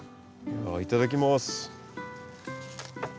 いただきます。